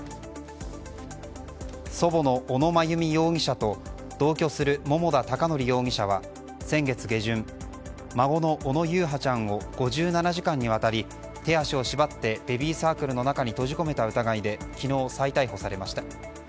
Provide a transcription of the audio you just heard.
祖母の小野真由美容疑者と同居する桃田貴徳容疑者は先月下旬、孫の小野優陽ちゃんを５７時間にわたり、手足を縛ってベビーサークルの中に閉じ込めた疑いで昨日、再逮捕されました。